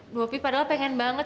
loh opi padahal pengen banget